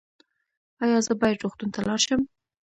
ایا زه باید روغتون ته لاړ شم؟